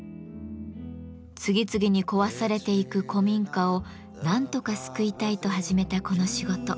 次々に壊されていく古民家をなんとか救いたいと始めたこの仕事。